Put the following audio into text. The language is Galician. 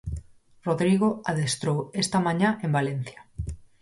Rodrigo adestrou esta mañá en Valencia.